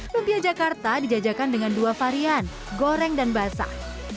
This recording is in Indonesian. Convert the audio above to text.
lumpia jakarta dijajakan dengan dua varian goreng dan basah